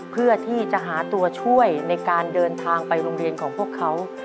เพื่อที่จะหาตัวช่วยในการเดินทางไปโรงเรียนของพวกเขา